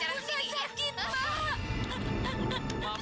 kamu tak sakit pak